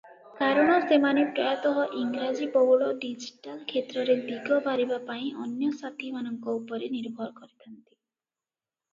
କାରଣ ସେମାନେ ପ୍ରାୟତଃ ଇଂରାଜୀ-ବହୁଳ ଡିଜିଟାଲ କ୍ଷେତ୍ରରେ ଦିଗ ବାରିବା ପାଇଁ ଅନ୍ୟ ସାଥୀମାନଙ୍କ ଉପରେ ନିର୍ଭର କରିଥାନ୍ତି ।